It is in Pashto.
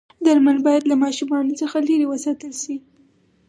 درمل باید له ماشومانو لرې وساتل شي.